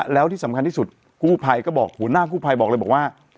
แล้วที่สำคัญที่สุดหัวหน้ากู้ภัยบอกเลยว่า